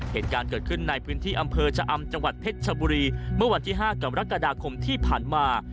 เหตุการณ์เกิดขึ้นในพื้นที่อำเภอชะอำจังหวัดเพชรชบุรีเมื่อวันที่๕กรกฎาคมที่ผ่านมา